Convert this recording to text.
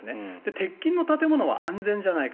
鉄筋の建物は安全じゃないか。